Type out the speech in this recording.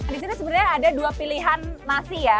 di sini sebenarnya ada dua pilihan nasi ya